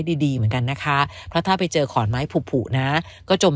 ดีดีเหมือนกันนะคะเพราะถ้าไปเจอขอนไม้ผูนะก็จม